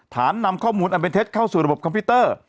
นำข้อมูลอันเป็นเท็จเข้าสู่ระบบคอมพิวเตอร์